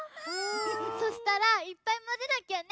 そしたらいっぱいまぜなきゃね！